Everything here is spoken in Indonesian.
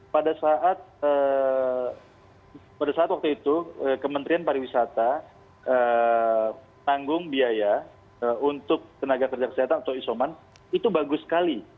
pada saat pada saat waktu itu kementerian pariwisata tanggung biaya untuk tenaga kerja kesehatan atau isoman itu bagus sekali